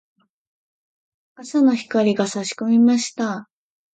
朝の光が差し込みました。